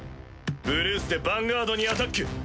ブルースでヴァンガードにアタック！